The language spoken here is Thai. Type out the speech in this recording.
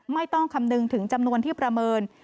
ไม่ต้องคำนึงถึงจำนวนที่ประเมิน